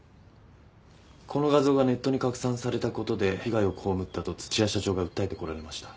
この画像がネットに拡散された事で被害をこうむったと土屋社長が訴えてこられました。